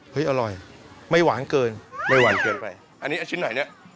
อร่อยไม่หวานเกินไม่หวานเกินไปอันนี้ชิ้นไหนเนี่ย